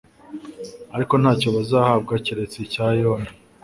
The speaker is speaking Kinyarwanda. Ariko ntacyo bazahabwa keretse icya Yona."